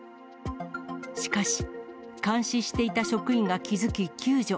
しかし、監視していた職員が気付き救助。